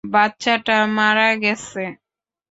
বাচ্চাটা মারা গেছে?